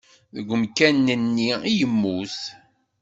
Deg umkan-nni i yemmut.